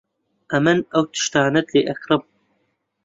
ئەمن ئەو تشتانەت لێ ئەکڕم.